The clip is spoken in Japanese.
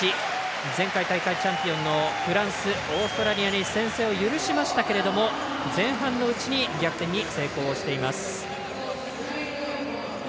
前回大会チャンピオンのフランスオーストラリアに先制を許しましたけども前半のうちに逆転に成功しています。